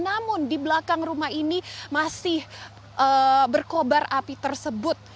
namun di belakang rumah ini masih berkobar api tersebut